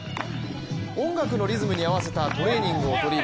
音楽のリズムに合わせたトレーニングを取り入れ